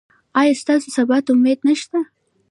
ایا ستاسو سبا ته امید نشته؟